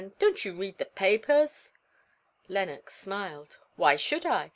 don't you read the papers?" Lenox smiled. "Why should I?